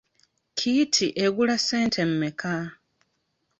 Kit egula ssente mmeka?